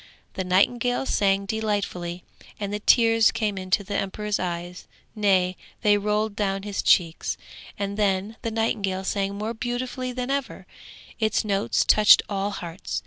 The nightingale sang delightfully, and the tears came into the emperor's eyes, nay, they rolled down his cheeks; and then the nightingale sang more beautifully than ever, its notes touched all hearts.